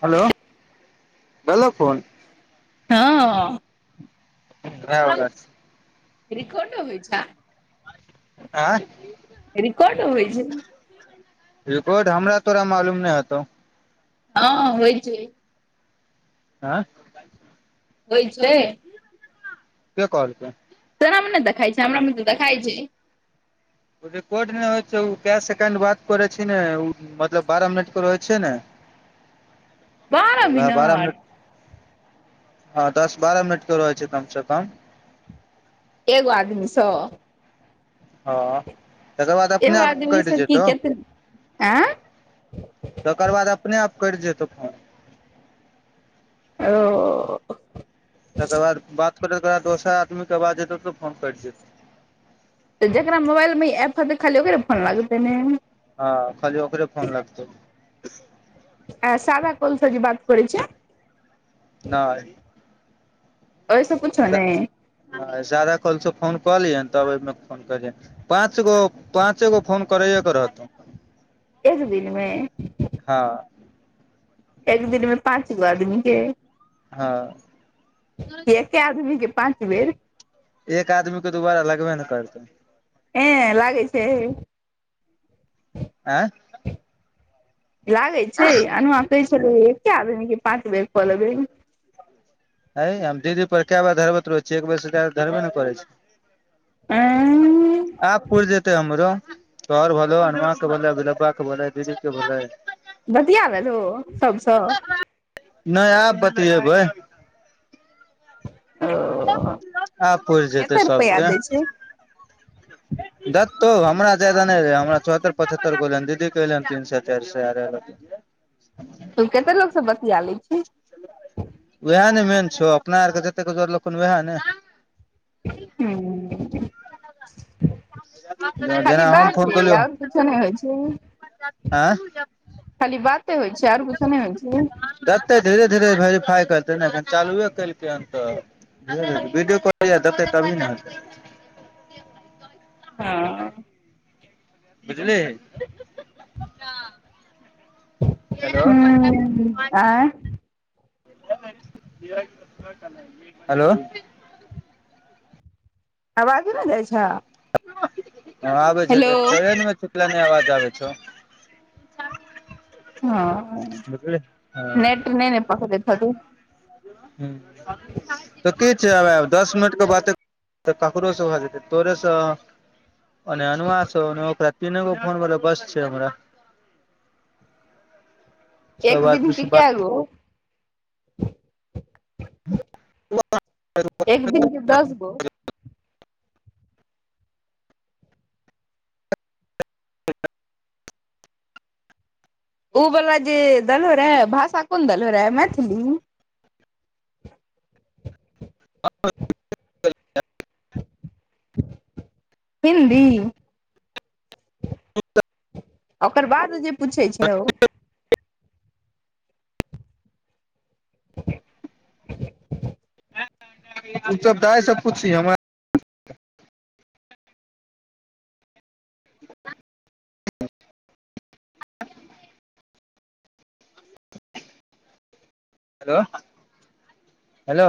hello [inaudible] भैलै phone हँ [unintelligible] record होइ छै [unintelligible] रिकॉड होइ छै रिकॉड हमरा तोरा मालूम नहि हेतौ हँ होइ छै [unintelligible] होइ छै [inaudible] केँ कहलकौ तोरा म नै देखाय छै हमरा म तऽ देखाय छै रिकॉर्ड नहि होइ छै ओ कए सेकेंड बात करै छै उ मतलब बारह मिनट पर रहै छै न [inaudible] वएह बारह मिनट [inaudible] हँ दस बारह मिनट करै छै कम स कम एगो आदमीसँ हँ तकर बाद अपने एगो आप कइट आदमीसँ की जेतौ [inaudible] केते आँ तकर बाद अपने आप कइट जेतौ फोन [unintelligible] तकर बाद बात करैत कला दोसर आदमीे कऽ आवाज एयतौ तऽ फोन कइट जेतै तऽ जेकरा मोबाइलमे ई एप्प हेतै खाली ओकरे फोन लागतै ने हँ खाली ओकरे फोन लागतौ आ सादा काॅलसे जे बात करै छियै नै ओय सँ कुछो नै हँ सादा कालसँ फोन कऽ लिहन तब आए म फोन करयहन पाँच गो पाँचेगो फोन करैए कऽ रहतौ [inaudible] एक दिनमें हँ एक दिन में पाँचगो आदमी केँ हँ की एकेँआदमीे कऽ पाँच बेर एक आदमी कऽ दुबारा लगबे नै करतौ ऐंय लागै छै आँय लागै छै अनुआ कहै छलै एकेँ आदमी कऽ पाँच बेर कऽ लबै [inaudible] हैय हम दीदी पर कए बेर धरबैत रहै छियै एक बेर से ज्यादा धरबे नै करै छै ऐं [inaudible] आब पुइर जेतै हमरो तोहर भेले अनुआ केँ भेले अभिनावा कऽ भेले दीदी केँ भेले बतिया ललहों सबसँ नै आब बतियेबै आब पुरि [unintelligible] जेतै कते रुपया सबके दै छै दतौ हमरा जादा नै रहै हमरा चौहत्तर पचहत्तर गोे एले हन दीदी कऽ एयले हन तीन सै चाइर सै आर एयल हे तु कते लोकसें बतिया लै छीहीं उएह ने मेन छौ अपना आर केँ जतेक जोरलखुन उएह ने [unintelligible] [inaudible] खाली जेना हम फोन बाते केलियौ और कुछो नै होइ छै [inaudible] आँ खाली बाते होइ छै और कुछो नै होइ छै देतै धीरे धीरे भेरीफाइ करतै न एखन चालुए केलकै हन तऽ [unintelligible] तभी ने हेतै हँ बुझलीहीं [unintelligible] [unintelligible] [unintelligible] हलो आवाज नै जाइ छौ हेलो [unintelligible] हँ [unintelligible] [unintelligible] [unintelligible] दस मिनट [unintelligible] तऽ ककरोसँ भ जेतै तोरेसँ ओने अनुआ सॅं ओने ओकरा तीनेगो फोन भेलै बस छै हमरा [inaudible] एक सब विधि आदमी से केँ बात कैय गो [inaudible] [inaudible] एक दिन केँ दस गो उ बला जे दलहो रहे भाषा कोन देलहो रयहे मैथिली [unintelligible] [inaudible] हिन्दी [inaudible] [inaudible] ओकर बाद जे पूछे छै [unintelligible] [unintelligible] उसब दाई सऽ पुछही हमरा हेलो [inaudible] हेलो